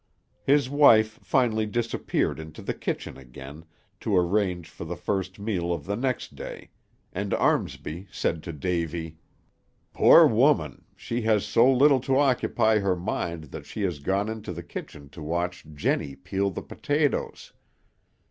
His wife finally disappeared into the kitchen again, to arrange for the first meal of the next day, and Armsby said to Davy, "Poor woman, she has so little to occupy her mind that she has gone into the kitchen to watch Jennie peel the potatoes.